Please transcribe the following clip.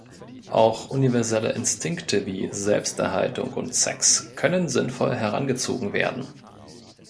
Auch universelle Instinkte wie Selbsterhaltung und Sex können sinnvoll herangezogen werden.